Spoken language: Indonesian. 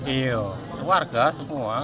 iya keluarga semua